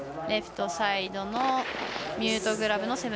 レフトサイドのミュートグラブの７２０。